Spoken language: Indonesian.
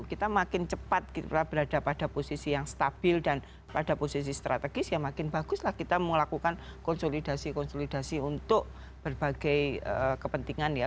kita makin cepat kita berada pada posisi yang stabil dan pada posisi strategis ya makin baguslah kita melakukan konsolidasi konsolidasi untuk berbagai kepentingan ya